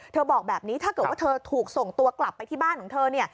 บอกแบบนี้ถ้าเกิดว่าเธอถูกส่งตัวกลับไปที่บ้านของเธอเนี่ย